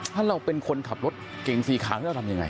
ถ้าเราเป็นคนขับรถเก่งสีขาวนี่เราทำยังไง